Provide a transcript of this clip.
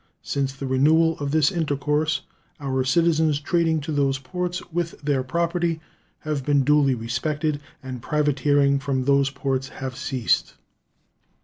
Since the renewal of this intercourse our citizens trading to those ports, with their property, have been duly respected, and privateering from those ports has ceased.